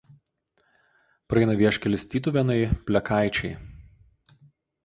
Praeina vieškelis Tytuvėnai–Plekaičiai.